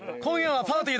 パーティー？